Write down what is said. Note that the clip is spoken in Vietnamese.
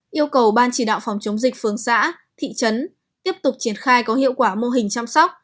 yêu cầu ban chỉ đạo phòng chống dịch phường xã thị trấn tiếp tục triển khai có hiệu quả mô hình chăm sóc